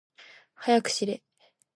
はやくしれ。